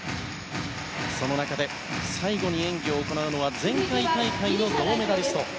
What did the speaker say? その中で最後に演技を行うのは前回大会の銅メダリスト。